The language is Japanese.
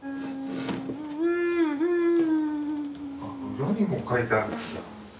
裏にも描いてあるんですか。